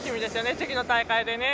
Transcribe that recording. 次の大会で。